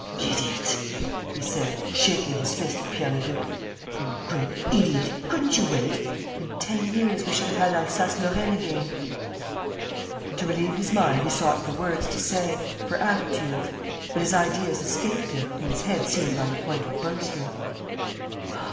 ... "Idiot!" he said, shaking his fist at Pierre Leduc. "You great idiot, couldn't you wait? In ten years we should have had Alsace Lorraine again!" To relieve his mind, he sought for words to say, for attitudes; but his ideas escaped him and his head seemed on the point of bursting.